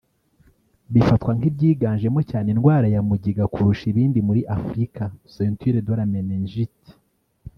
bifatwa nk’ibyiganjemo cyane indwara ya mugiga kurusha ibindi muri Afrika « ceinture de la méningite »